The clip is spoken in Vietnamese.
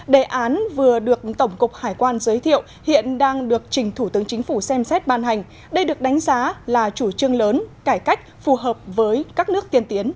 đề án vừa được tổng cục hải quan giới thiệu hiện đang được trình thủ tướng chính phủ xem xét ban hành đây được đánh giá là chủ trương lớn cải cách phù hợp với các nước tiên tiến